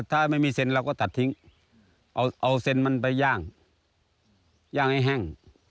ถ้าไม่มีเซ็นเราก็ตัดทิ้งเอาเซ็นมันไปย่างย่างให้แห้ง